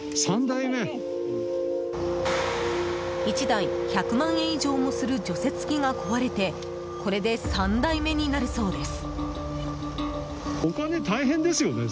１台１００万円以上もする除雪機が壊れてこれで３台目になるそうです。